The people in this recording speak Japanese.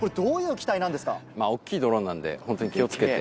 大っきいドローンなんでホントに気を付けて。